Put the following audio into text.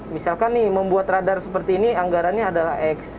misalkan nih membuat radar seperti ini anggarannya adalah x